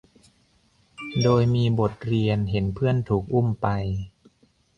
โดยมีบทเรียนเห็นเพื่อนถูกอุ้มไป